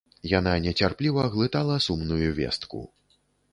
Яна нецярпліва глытала сумную вестку.